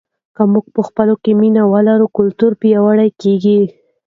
که موږ په خپلو کې مینه ولرو کلتور پیاوړی کیږي.